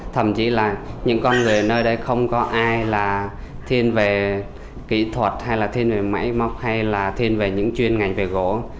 thậm chí là những con người nơi đây không có ai là thiên về kỹ thuật hay là thiên về máy móc hay là thiên về những chuyên ngành về gỗ